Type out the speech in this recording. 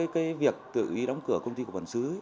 cái việc tự ý đóng cửa công ty của bản sứ